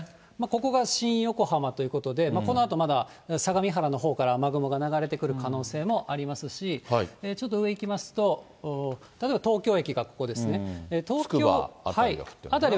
ここが新横浜ということで、このあとまだ、相模原のほうから雨雲が流れてくる可能性もありますし、ちょっと上いきますと、例えば東京駅がここですね。